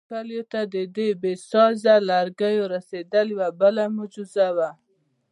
کلیو ته د دې بې سایزه لرګیو رسېدل یوه بله معجزه وه.